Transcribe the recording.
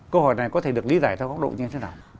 câu hỏi này có thể được lý giải theo góc độ như thế nào